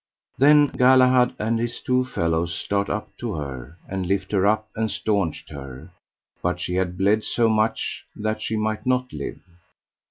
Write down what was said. Then Galahad and his two fellows start up to her, and lift her up and staunched her, but she had bled so much that she might not live.